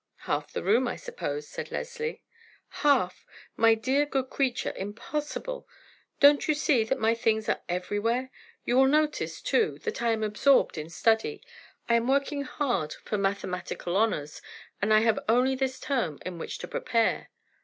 "Half the room, I suppose," said Leslie. "Half! My dear, good creature, impossible! Don't you see that my things are everywhere? You will notice, too, that I am absorbed in study. I am working hard for mathematical honors, and I have only this term in which to prepare."